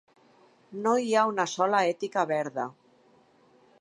No hi ha una sola "Ètica Verda".